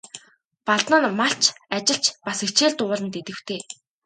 Балдан нь малч, ажилч, бас хичээл дугуйланд идэвхтэй.